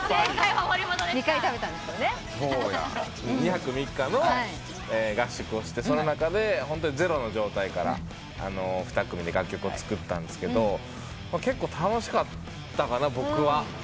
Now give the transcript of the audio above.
２泊３日の合宿をしてその中でゼロの状態から２組で楽曲を作ったんすけど結構楽しかったかな僕は。